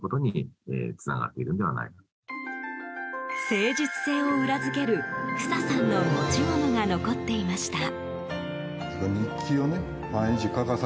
誠実性を裏付ける、フサさんの持ち物が残っていました。